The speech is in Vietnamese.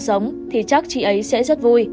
sống thì chắc chị ấy sẽ rất vui